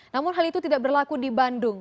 namun hal itu tidak berlaku di bandung